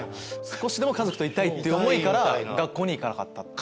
少しでも家族といたいっていう思いから学校に行かなかった。